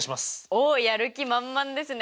おっやる気満々ですね！